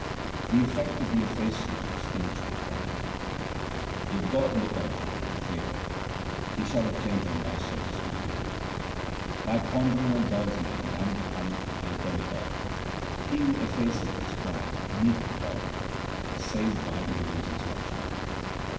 The effect of the effacement of spiritual pride :— If God look on man with favour, he shall obtain Him by service to the Guru. By pondering on God's name man becometh a demigod. He who effaceth his pride meeteth God, and is saved by the Guru's instruction.